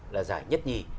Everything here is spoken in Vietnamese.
là giải nhất nhì